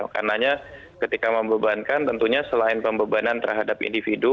karena ketika membebankan tentunya selain pembebanan terhadap individu